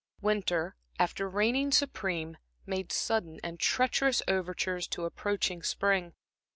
Winter, after reigning supreme, made sudden and treacherous overtures to approaching spring.